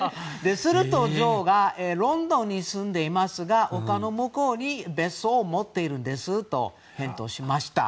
すると女王がロンドンに住んでいますが丘の向こうに別荘を持っているんですと返答しました。